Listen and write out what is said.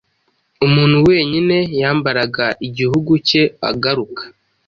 Umuntu wenyine-yambaraga igihugu cye-agaruka